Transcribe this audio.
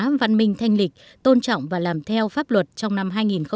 công tác văn minh thanh lịch tôn trọng và làm theo pháp luật trong năm hai nghìn một mươi chín